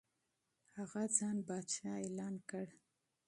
هغه ځان پادشاه اعلان کړ.